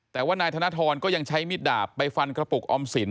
แต่ว่านายธนทรก็ยังใช้มิดดาบไปฟันกระปุกออมสิน